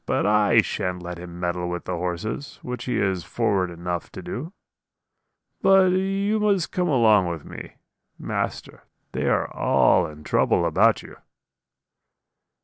But I shan't let him meddle with the horses, which he is forward enough to do. But you must come along with me. Master; they are all in trouble about you.'